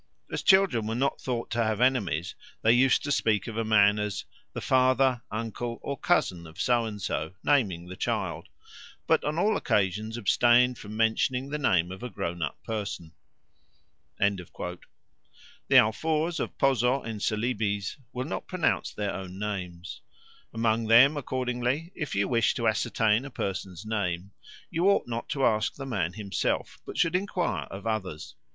As children were not thought to have enemies, they used to speak of a man as 'the father, uncle, or cousin of So and so,' naming a child; but on all occasions abstained from mentioning the name of a grown up person." The Alfoors of Poso in Celebes will not pronounce their own names. Among them, accordingly, if you wish to ascertain a person's name, you ought not to ask the man himself, but should enquire of others.